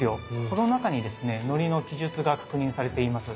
この中にですねのりの記述が確認されています。